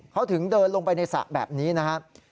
เขาถึงเดินลงไปในสระแบบนี้นะครับ